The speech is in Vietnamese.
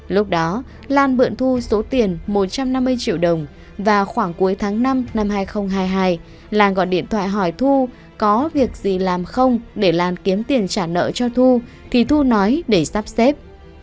lúc đó lan mượn thu số tiền một trăm năm mươi triệu đồng và khoảng cuối tháng năm năm hai nghìn hai mươi hai lan gọi điện thoại hỏi thu có việc gì làm không để lan kiếm tiền trả nợ cho thu thì thu nói để sắp xếp